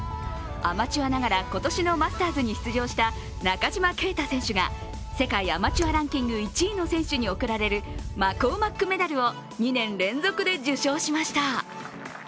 アマチュアながら、今年のマスターズに出場した中島啓太選手が世界アマチュアランキング１位の選手に贈られるマコーマックメダルを２年連続で受賞しました。